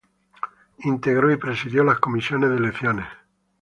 Integró y presidió la Comisión de Elecciones.